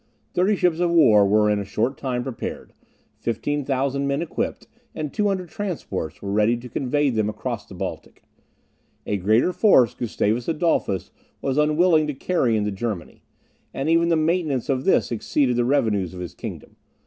Thirty ships of war were in a short time prepared, 15,000 men equipped, and 200 transports were ready to convey them across the Baltic. A greater force Gustavus Adolphus was unwilling to carry into Germany, and even the maintenance of this exceeded the revenues of his kingdom.